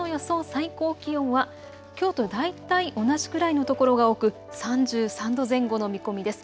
最高気温はきょうと大体同じくらいの所が多く３３度前後の見込みです。